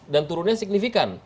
dan turunnya signifikan